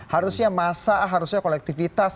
harusnya masa harusnya kolektivitas